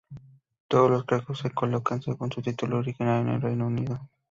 Todos los cargos se colocan según su título original en el Reino Unido.